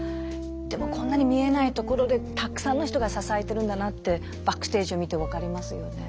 でもこんなに見えない所でたくさんの人が支えてるんだなってバックステージを見て分かりますよね。